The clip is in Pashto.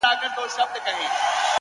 • یوه بل ته یې د زړه وکړې خبري ,